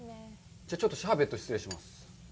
じゃあちょっとシャーベット、失礼します。